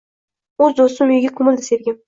O’z do’stim uyiga ko’mildi sevgim